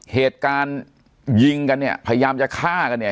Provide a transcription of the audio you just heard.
เหตุการณ์ยิงกันเนี่ยพยายามจะฆ่ากันเนี่ย